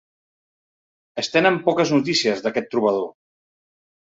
Es tenen poques notícies d'aquest trobador.